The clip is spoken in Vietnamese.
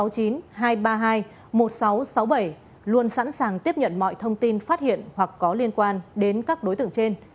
cơ quan sáu trăm sáu mươi bảy luôn sẵn sàng tiếp nhận mọi thông tin phát hiện hoặc có liên quan đến các đối tượng trên